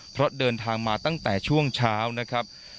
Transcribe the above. เพราะเดินทางมาตั้งแต่ช่วงเช้านะครับ